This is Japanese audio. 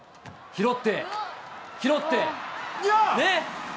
拾って、拾って、ね？